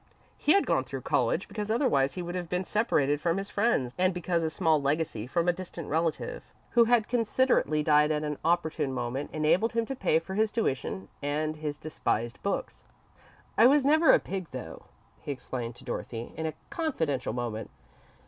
He had gone through college because otherwise he would have been separated from his friends, and because a small legacy from a distant relative, who had considerately died at an opportune moment, enabled him to pay for his tuition and his despised books. "I was never a pig, though," he explained to Dorothy, in a confidential moment.